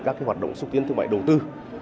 các hoạt động xúc tiến thương mại đầu tư